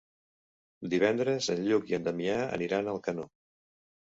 Divendres en Lluc i en Damià aniran a Alcanó.